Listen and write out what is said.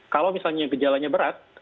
kalau misalnya gejalanya berat